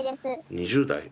２０代。